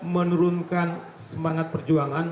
menurunkan semangat perjuangan